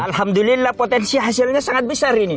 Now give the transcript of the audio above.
alhamdulillah potensi hasilnya sangat besar ini